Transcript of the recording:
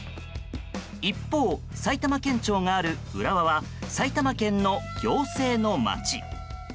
一方、埼玉県庁がある浦和は埼玉県の行政の街。